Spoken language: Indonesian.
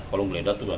kalau geledah turun